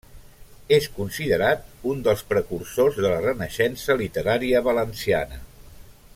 És considerat un dels precursors de la Renaixença literària valenciana.